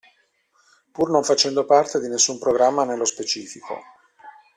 Pur non facendo parte di nessun programma nello specifico.